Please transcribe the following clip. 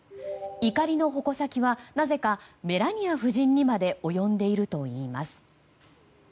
怒りの矛先はなぜかメラニア夫人にまで及んでいるといいます。